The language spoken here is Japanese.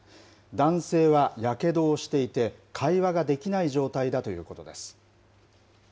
男性はやけどをしていて、会話ができない状態だということです。